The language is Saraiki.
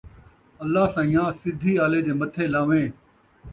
اللہ سئیں آں! سدھی آلے دے متھے لان٘ویں